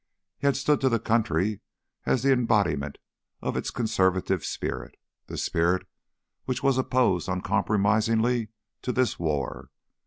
He had stood to the country as the embodiment of its conservative spirit, the spirit which was opposed uncompromisingly to this war.